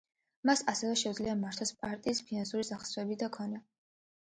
მას ასევე შეუძლია მართოს პარტიის ფინანსური სახსრები და ქონება.